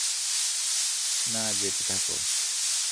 না, যেতে থাকো।